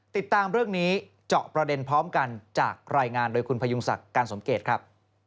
ติดตามเรื่องนี้เจาะประเด็นพร้อมกันจากรายงานโดยคุณพยุงศักดิ์การสมเกตครับ